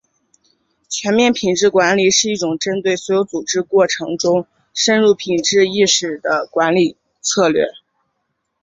全面品质管理是一种针对所有组织过程中深入品质意识的管理策略。